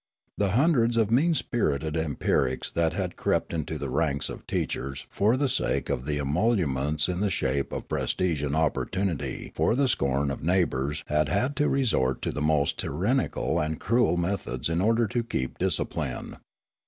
The hundreds of mean spirited empirics that had crept into the ranks of teachers for the sake of the emoluments in the shape of prestige and opportunity for the scorn of neighbours had had to resort to the most tyrannical and cruel methods in order to keep discipline.